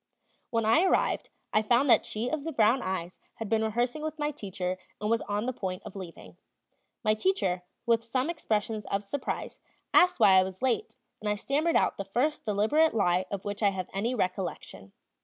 When I arrived, I found that she of the brown eyes had been rehearsing with my teacher and was on the point of leaving. My teacher, with some expressions of surprise, asked why I was late, and I stammered out the first deliberate lie of which I have any recollection.